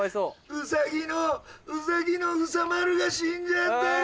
ウサギのウサマルが死んじゃったよ。